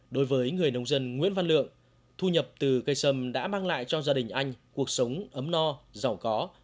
đối với người nông dân nguyễn văn lượng thu nhập từ cây sâm đã mang lại cho gia đình anh cuộc sống ấm no giàu có